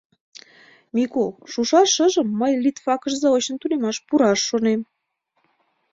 — Мику, шушаш шыжым мый литфакыш заочно тунемаш пураш шонем.